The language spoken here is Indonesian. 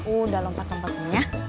udah lompat lompatnya ya